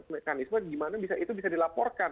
mekanisme gimana bisa itu bisa dilaporkan